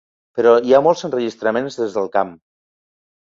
Però hi ha molts enregistraments des del camp.